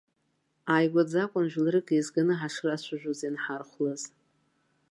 Ааигәаӡа акәын жәларык еизганы ҳашрацәажәоз ианҳархәлаз.